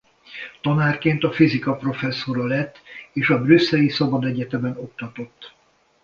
Tanárként a fizika professzora lett és a Brüsszeli Szabadegyetemen oktatott.